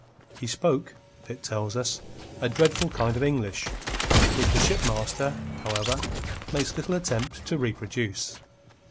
He spoke, Pitt tells us, a dreadful kind of English, which the shipmaster, however, makes little attempt to reproduce.